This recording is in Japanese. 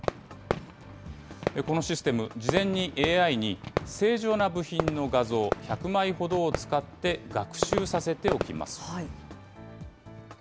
このシステム、事前にＡＩに、正常な部品の画像１００枚ほどを使って学習させておきます。